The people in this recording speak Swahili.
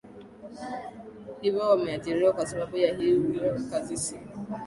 hivyo wameajiriwa kwa sababu ya hiyo kazi so